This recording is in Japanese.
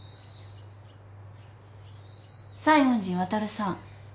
西園寺渉さん。